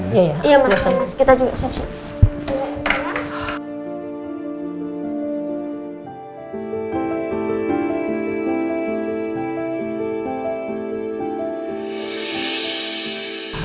iya mas kita juga siap siap